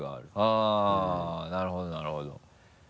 あぁなるほどなるほど。